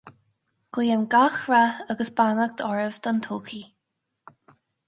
Guím gach rath agus beannacht oraibh don todhchaí